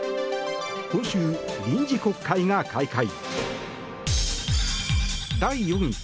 今週、臨時国会が開会。